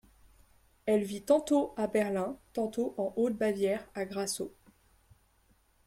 Elle vit tantôt à Berlin, tantôt en Haute-Bavière à Grassau.